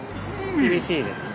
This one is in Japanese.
厳しいですね。